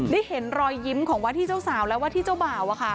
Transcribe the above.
ได้เห็นรอยยิ้มของวาที่เจ้าสาวและวาที่เจ้าบ่าว